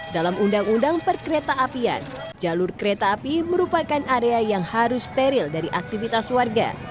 dalam undang undang perkereta apian jalur kereta api merupakan area yang harus steril dari aktivitas warga